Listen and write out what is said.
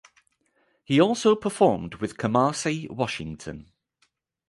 He also performed with Kamasi Washington.